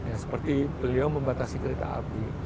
ya seperti beliau membatasi kereta api